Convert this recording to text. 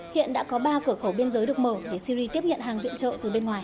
hiện đã có ba cửa khẩu biên giới được mở để syri tiếp nhận hàng viện trợ từ bên ngoài